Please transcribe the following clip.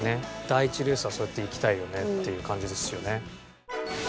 第１レースはそうやっていきたいよねっていう感じですよね。